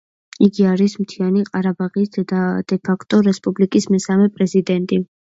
იგი არის მთიანი ყარაბაღის დე-ფაქტო რესპუბლიკის მესამე პრეზიდენტი.